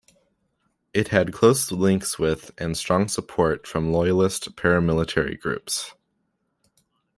It had close links with, and strong support from loyalist paramilitary groups.